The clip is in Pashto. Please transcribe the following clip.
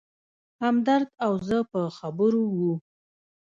همدرد او زه په خبرو و.